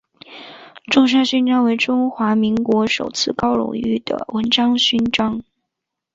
中山勋章为中华民国次高荣誉的文职勋章。